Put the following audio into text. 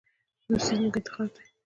دوستي زموږ انتخاب دی.